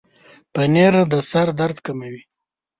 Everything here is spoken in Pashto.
پنېر د سر درد کموي.